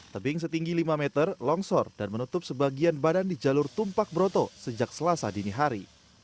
tebing setinggi lima meter longsor dan menutup sebagian badan di jalur tumpak broto sejak selasa dini hari